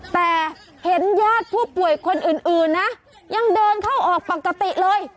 แต่เห็นญาติผู้ป่วยคนอื่นนะยังเดินเข้าออกปกติเลย